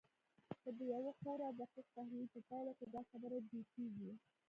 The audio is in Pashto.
خو د يوه خورا دقيق تحليل په پايله کې دا خبره جوتېږي.